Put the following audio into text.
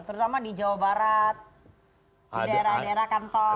terutama di jawa barat di daerah daerah kantor